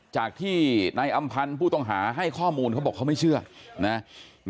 จากที่นายอำพันธ์ผู้ต้องหาให้ข้อมูลเขาบอกเขาไม่เชื่อนะ